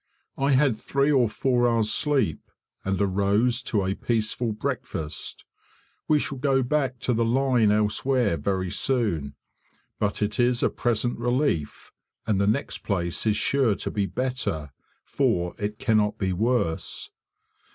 I had three or four hours' sleep, and arose to a peaceful breakfast. We shall go back to the line elsewhere very soon, but it is a present relief, and the next place is sure to be better, for it cannot be worse.